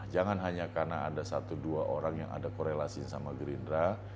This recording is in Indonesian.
jangan hanya karena ada satu dua orang yang ada korelasi sama gerindra